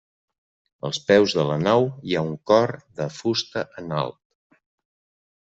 Als peus de la nau hi ha un cor de fusta en alt.